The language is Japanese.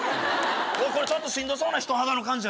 これちょっとしんどそうな人肌の感じ